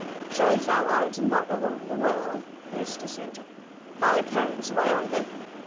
"Surely thou art not alone in the world," urged the stranger, "thy parents, where are they?"